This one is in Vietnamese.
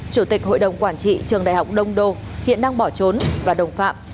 chủ tịch hội đồng quản trị trường đại học đông đô hiện đang bỏ trốn và đồng phạm